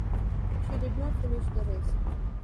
She did not finish the race.